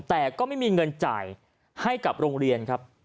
แต่ก็ไม่มีเงินจ่ายให้กับโรงเรียนครับ